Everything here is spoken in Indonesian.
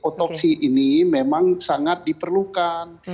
otopsi ini memang sangat diperlukan